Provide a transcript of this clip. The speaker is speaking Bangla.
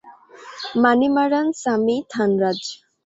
মানিমারান, সামি, থানরাজ।